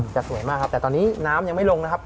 จะสวยมากครับแต่ตอนนี้น้ำยังไม่ลงนะครับ